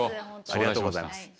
ありがとうございます。